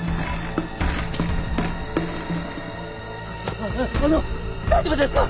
あああの大丈夫ですか？